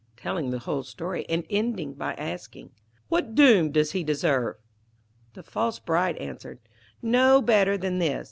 telling the whole story, and ending by asking, 'What doom does he deserve?' The false bride answered, 'No better than this.